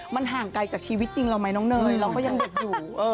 มันห่างไกลจากชีวิตจริงเราไหมน้องเนยเราก็ยังเด็กอยู่